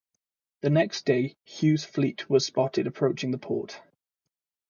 The next day, Hughes' fleet was spotted approaching the port.